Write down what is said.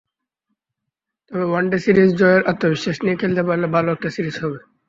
তবে one day series জয়ের আত্মবিশ্বাস নিয়ে খেলতে পারলে ভালো একটা সিরিজ হবে।